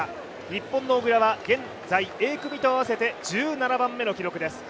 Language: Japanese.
日本の小椋は現在Ａ組と合わせて１７番目の記録です。